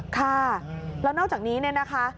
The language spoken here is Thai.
ค่ะแล้วนอกจากนี้นะคะ